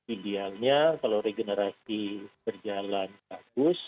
idealnya kalau regenerasi berjalan bagus